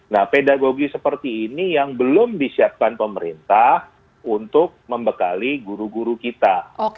nah pedagogi seperti ini yang belum disiapkan pemerintah untuk membekali guru guru kita